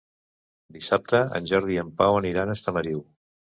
Dissabte en Jordi i en Pau aniran a Estamariu.